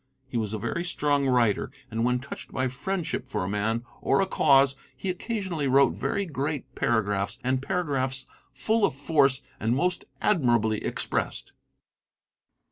He was a very strong writer, and when touched by friendship for a man, or a cause, he occasionally wrote very great paragraphs, and paragraphs full of force and most admirably expressed.